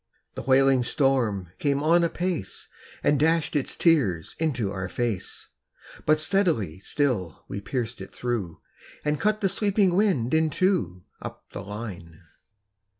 The wailing storm came on apace, And dashed its tears into our fade; But steadily still we pierced it through, And cut the sweeping wind in two, Up the line.